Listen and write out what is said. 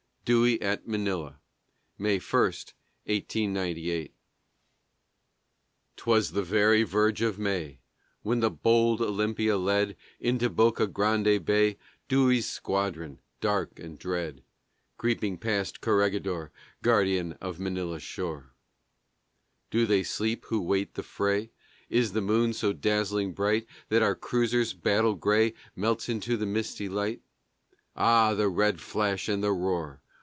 DEWEY AT MANILA [May 1, 1898] 'Twas the very verge of May When the bold Olympia led Into Bocagrande Bay Dewey's squadron, dark and dread, Creeping past Corregidor, Guardian of Manila's shore. Do they sleep who wait the fray? Is the moon so dazzling bright That our cruisers' battle gray Melts into the misty light?... Ah! the red flash and the roar!